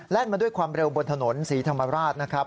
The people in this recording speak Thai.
มาด้วยความเร็วบนถนนศรีธรรมราชนะครับ